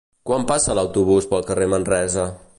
Quan passa l'autobús pel carrer Manresa?